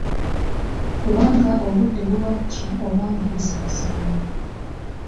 Kubanga obudde buba bukya oba nga busaasaana.